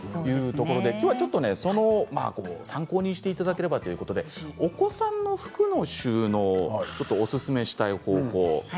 今日は参考にしていただければということで、お子さんの服の収納おすすめしたい方法があります。